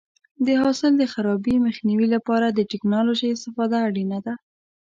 د حاصل د خرابي مخنیوي لپاره د ټکنالوژۍ استفاده اړینه ده.